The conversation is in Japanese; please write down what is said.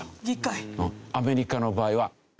アメリカの場合は。